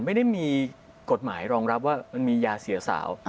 ไม่ได้มีกฎหมายรองรับว่ามันมียาเสียสาว